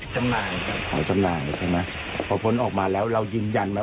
จำนานครับจำนานใช่ไหมพอผลออกมาแล้วเรายืนยันไหม